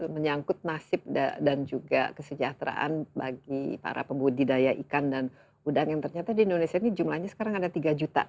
menyangkut nasib dan juga kesejahteraan bagi para pembudidaya ikan dan udang yang ternyata di indonesia ini jumlahnya sekarang ada tiga juta